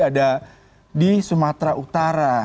ada di sumatera utara